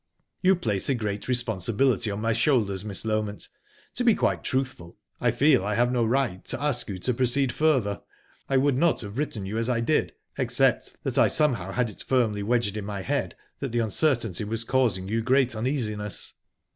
"You place a great responsibility on my shoulders, Miss Loment... To be quite truthful, I feel I have no right to ask you to proceed further. I would not have written you as I did, except that I somehow had it firmly wedged in my head that the uncertainty was causing you great uneasiness..."